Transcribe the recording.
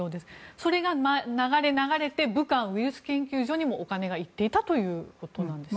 それが流れ流れて武漢ウイルス研究所にもお金が行っていたということなんですね。